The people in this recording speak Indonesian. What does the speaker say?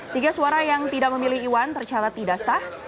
tiga suara yang tidak memilih iwan tercatat tidak sah